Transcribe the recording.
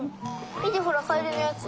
みてほらカエルのやつ。